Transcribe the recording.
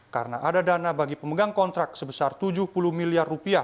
karena ada dana bagi pemegang kontrak sebesar rp tujuh puluh miliar